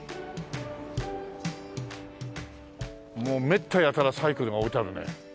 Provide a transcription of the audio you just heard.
もうめったやたらサイクルが置いてあるね。